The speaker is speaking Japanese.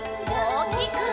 おおきく！